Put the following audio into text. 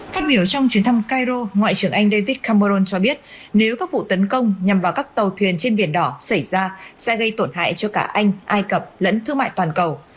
phát biểu trong chuyến thăm cairo ngoại trưởng anh david cameron cho biết nếu các vụ tấn công nhằm vào các tàu thuyền trên biển đỏ xảy ra sẽ gây tổn hại cho cả anh ai cập lẫn thương mại toàn cầu